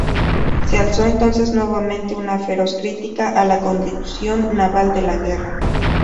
Se alzó entonces nuevamente una feroz crítica a la conducción naval de la guerra.